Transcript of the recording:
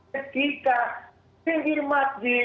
ketika pinggir masjid